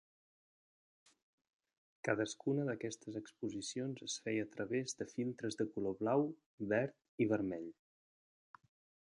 Cadascuna d'aquestes exposicions es feia a través de filtres de color blau, verd i vermell.